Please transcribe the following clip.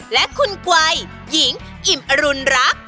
และคุณกวัยหญิงอิ่มอรุณรัก